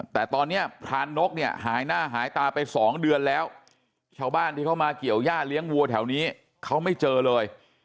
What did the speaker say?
แต่ตอนนี้พรานนกเนี่ยหายหน้าหายตาไปสองเดือนแล้วชาวบ้านที่เขามาเกี่ยวย่าเลี้ยงวัวแถวนี้เขาไม่เจอเลย